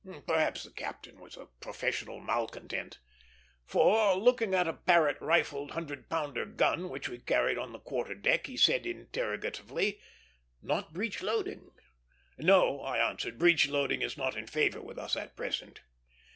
Perhaps the captain was a professional malcontent; for, looking at a Parrott rifled hundred pounder gun which we carried on the quarter deck, he said, interrogatively, "Not breech loading?" "No," I answered, "breech loading is not in favor with us at present."